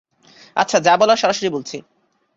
আচ্ছা, যা বলার সরাসরি বলছি।